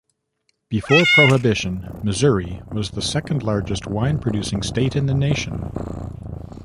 Before Prohibition, Missouri was the second-largest wine-producing state in the nation.